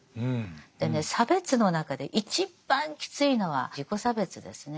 でね差別の中で一番きついのは自己差別ですね。